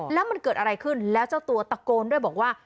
แล้วมันเกิดอะไรขึ้นแล้วเจ้าตัวตะโกนด้วยบอกว่า